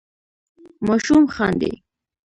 ماشوم خاندي.